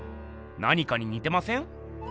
なにかににてません？